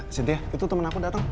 ah sitiah itu temen aku dateng